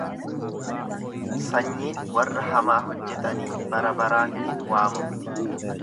Sanyiin warra hamaa hojjetanii barabaraan hin waamamu.